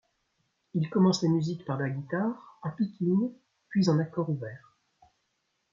Il commence la musique par la guitare, en picking, puis en accord ouvert.